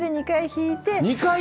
２回弾いて？